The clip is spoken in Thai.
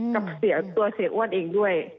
กับเสียตัวเสียอ้วนเองด้วย